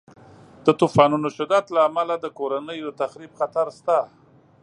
د طوفانونو د شدت له امله د کورنیو د تخریب خطر شته.